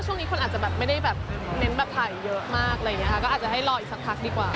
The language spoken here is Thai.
ช่วงนี้คนอาจจะแบบไม่ได้เช็นได้เยอะมากเวลาก็อาจให้รออีกซักครั้งดีกว่า